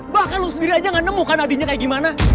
bahkan lo sendiri aja gak nemu kan adiknya kayak gimana